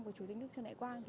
của chủ tịch nước trần đại quang